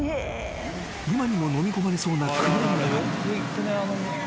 ［今にものみ込まれそうな］